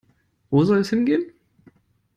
Wo soll es hingehen?